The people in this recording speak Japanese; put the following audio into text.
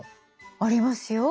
ありますよ。